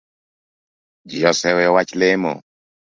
Ji oseweyo wach lemo